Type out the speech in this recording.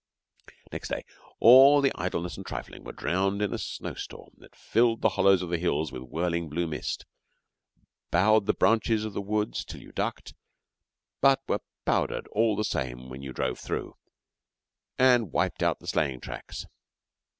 Next day all the idleness and trifling were drowned in a snowstorm that filled the hollows of the hills with whirling blue mist, bowed the branches of the woods till you ducked, but were powdered all the same when you drove through, and wiped out the sleighing tracks.